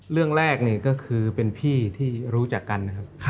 เรื่องแรกนี่ก็คือเป็นพี่ที่รู้จักกันนะครับ